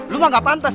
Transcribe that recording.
lu mah gak pantes